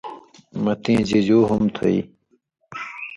”مہ تِیں جیجُو ہوم تُھو یی؟“